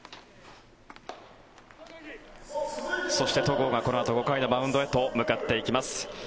そして、戸郷がこのあと５回のマウンドへと向かっていきます。